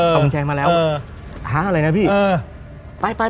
เอากุญแจมาแล้วท้าอะไรนะพี่ไป